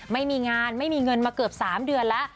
ไม่มีงานไม่มีเงินมาเกือบ๓เดือนแล้ว